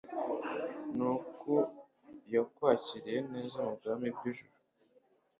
ni uko yakwakiriye neza mu bwami bw'ijuru